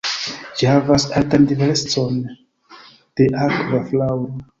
Ĝi havas altan diversecon de akva flaŭro.